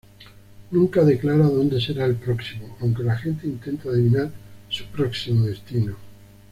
Nunca declara dónde será el próximo, aunque la gente intente adivinar su próximo destino.